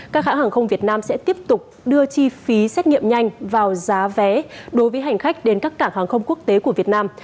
các hãng hàng không việt nam sẽ tiếp tục đưa chi phí xét nghiệm nhanh vào giá vé đối với hành khách đến các cảng hàng không quốc tế của việt nam